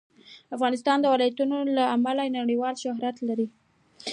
افغانستان د ولایتونو له امله نړیوال شهرت لري.